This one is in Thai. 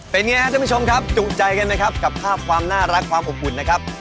เป็นไงครับท่านผู้ชมครับจุใจกันไหมครับกับภาพความน่ารักความอบอุ่นนะครับ